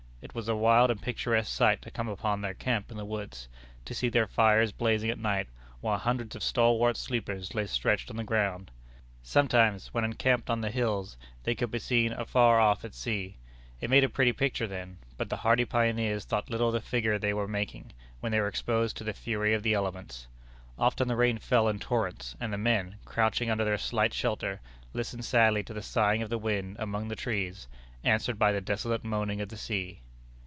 It was a wild and picturesque sight to come upon their camp in the woods, to see their fires blazing at night while hundreds of stalwart sleepers lay stretched on the ground. Sometimes, when encamped on the hills, they could be seen afar off at sea. It made a pretty picture then. But the hardy pioneers thought little of the figure they were making, when they were exposed to the fury of the elements. Often the rain fell in torrents, and the men, crouching under their slight shelter, listened sadly to the sighing of the wind among the trees, answered by the desolate moaning of the sea.